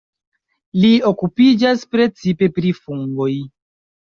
Li okupiĝas precipe pri fungoj.